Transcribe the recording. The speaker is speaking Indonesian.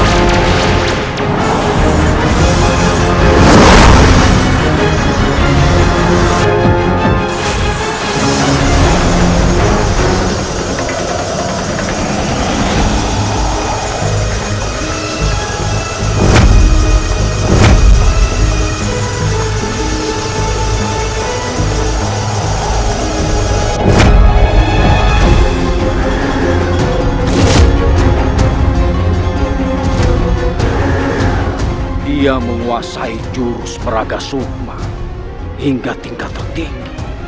siliwangi menguasai jurus meragas sukma hingga tingkat tertinggi